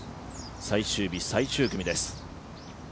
最終日、最終組です。